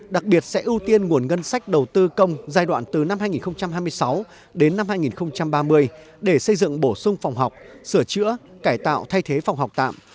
đặc biệt sẽ ưu tiên nguồn ngân sách đầu tư công giai đoạn từ năm hai nghìn hai mươi sáu đến năm hai nghìn ba mươi để xây dựng bổ sung phòng học sửa chữa cải tạo thay thế phòng học tạm